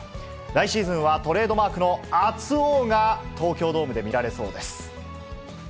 来シーズンは、トレードマークの熱男が東京ドームで見られそうです。